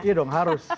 iya dong harus